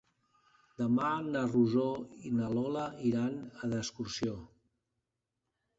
Demà na Rosó i na Lola iran d'excursió.